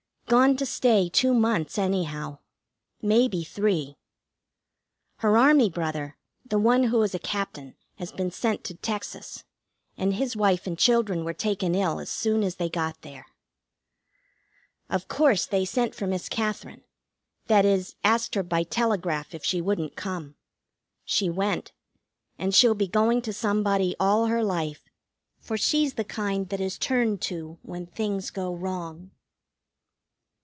Gone to stay two months, anyhow. Maybe three. Her Army brother, the one who is a Captain, has been sent to Texas, and his wife and children were taken ill as soon as they got there. Of course, they sent for Miss Katherine; that is, asked her by telegraph if she wouldn't come. She went. And she'll be going to somebody all her life, for she's the kind that is turned to when things go wrong.